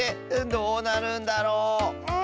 どうなるんだろう？